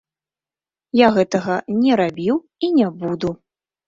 Я гэтага не рабіў і не буду.